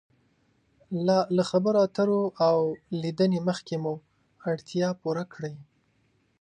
له خبرو اترو او لیدنې مخکې مو اړتیا پوره کړئ.